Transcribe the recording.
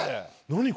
何？